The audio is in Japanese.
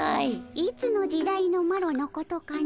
いつの時代のマロのことかの？